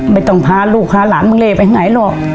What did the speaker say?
ไม่ต้องพาลูกพาหลานมึงเล่ไปไหนหรอก